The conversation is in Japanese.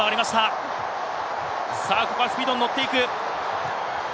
ここはスピードに乗っていく。